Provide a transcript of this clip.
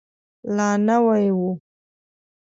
لا نوی و.